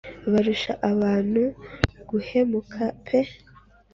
Barusha abantu guhemuka pe